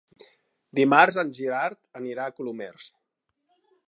Dimarts en Gerard irà a Colomers.